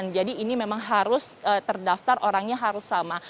ini memang harus terdaftar orangnya harus sama